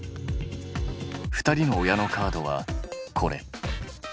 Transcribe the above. ２人の親のカードはこれ。